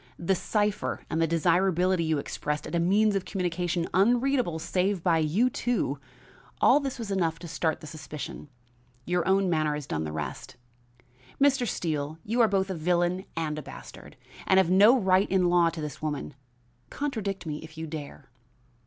The cipher and the desirability you expressed of a means of communication unreadable save by you two, all this was enough to start the suspicion; your own manner has done the rest. Mr. Steele, you are both a villain and a bastard, and have no right in law to this woman. Contradict me if you dare."